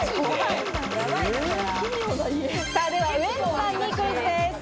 ではウエンツさんにクイズです。